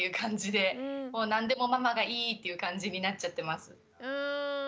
何でもママがいいっていう感じになっちゃってます。